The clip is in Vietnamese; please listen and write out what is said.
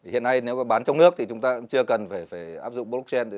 hiện nay nếu mà bán trong nước thì chúng ta cũng chưa cần phải áp dụng blockchain